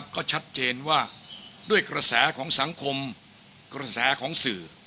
ก็ชัดเจนว่าด้วยกระแสของสังคมกระแสของสื่อ